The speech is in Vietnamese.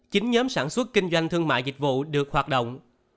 chín nhóm sản xuất kinh doanh thương mại dịch vụ được hoạt động